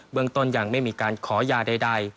เมืองต้นยังไม่มีการขอยาใด